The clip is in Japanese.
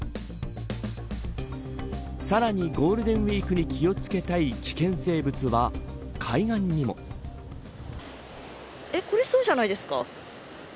さらにゴールデンウイークに気を付けたいこれ、そうじゃないですか。